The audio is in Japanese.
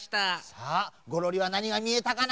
さあゴロリはなにがみえたかな？